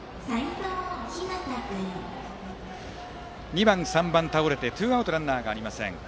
２番、３番が倒れてツーアウトランナーありません。